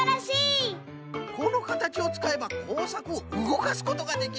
このかたちをつかえばこうさくをうごかすことができる！